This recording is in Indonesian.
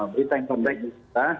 berita yang terbaik juga